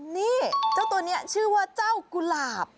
นี่เจ้าตัวนี้ชื่อว่าเจ้ากุหลาบ